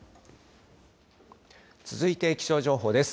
続いて気象情報です。